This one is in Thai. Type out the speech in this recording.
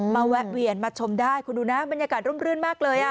แวะเวียนมาชมได้คุณดูนะบรรยากาศร่มรื่นมากเลย